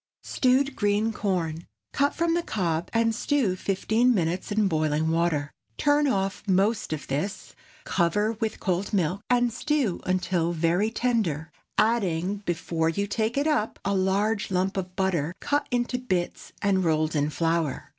STEWED GREEN CORN. Cut from the cob, and stew fifteen minutes in boiling water. Turn off most of this, cover with cold milk, and stew until very tender, adding, before you take it up, a large lump of butter cut into bits and rolled in flour.